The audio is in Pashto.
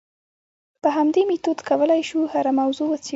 په همدې میتود کولای شو هره موضوع وڅېړو.